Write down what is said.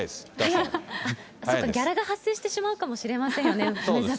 そうか、ギャラが発生してしまうかもしれませんよね。